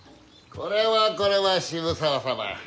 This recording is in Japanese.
これはこれは渋沢様。